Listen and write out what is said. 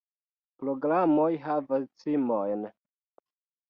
Programoj havas cimojn!